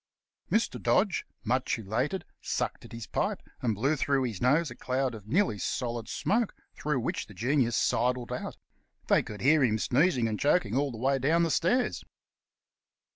Mr. Dodge, much elated, sucked at his pipe, and blew through his nose a cloud of nearly solid smoke, through which the Genius sidled out. They could hear him sneezing and choking all the way down the stairs.